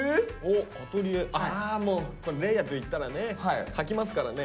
あもうこれ嶺亜といったらね描きますからね。